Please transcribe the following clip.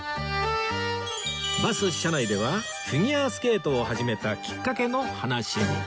バス車内ではフィギュアスケートを始めたきっかけの話に